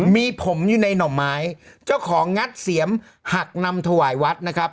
มีผมอยู่ในหน่อไม้เจ้าของงัดเสียมหักนำถวายวัดนะครับ